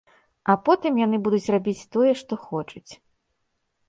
А потым яны будуць рабіць тое, што хочуць.